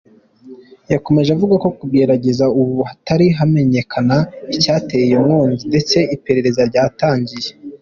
Yakomeje avuga ko kugeza ubu hatari hamenyekana icyateye iyo nkongi ndetse iperereza ryatangiye.